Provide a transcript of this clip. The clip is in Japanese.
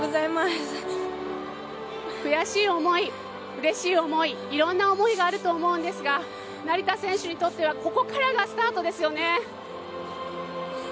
悔しい思い、うれしい思いいろんな思いがあると思うんですが成田選手にとってはここからがスタートですよね。